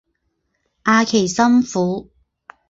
阿奇森府。